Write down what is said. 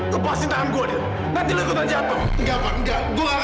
lepasin tangan gua nanti lu ikutan jatuh